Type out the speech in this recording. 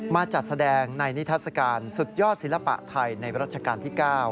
มาจัดแสดงในนิทัศกาลสุดยอดศิลปะไทยในรัชกาลที่๙